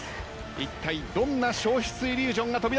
いったいどんな消失イリュージョンが飛び出すか。